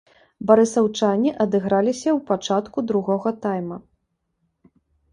Барысаўчане адыграліся ў пачатку другога тайма.